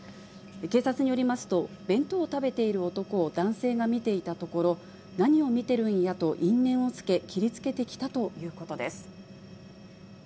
警察によりますと、弁当を食べている男を男性が見ていたところ、何を見てるんやと因縁をつけ、切りつけてきたということです。